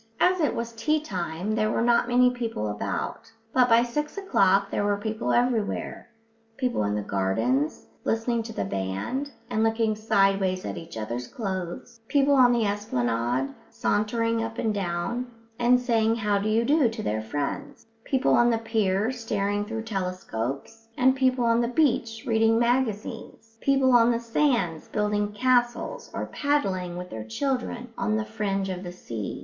As it was tea time there were not many people about; but by six o'clock there were people everywhere people in the gardens, listening to the band, and looking sideways at each other's clothes; people on the esplanade, sauntering up and down, and saying how do you do to their friends; people on the pier staring through telescopes, and people on the beach reading magazines, and people on the sands building castles or paddling with their children on the fringe of the sea.